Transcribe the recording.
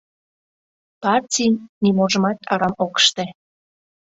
Партий ниможымат арам ок ыште.